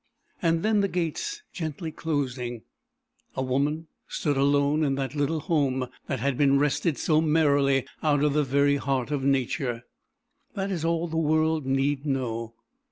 And then the gates gently closing, a woman stood alone in that little home that had been wrested, so merrily, out of the very heart of Nature. That is all the world need know.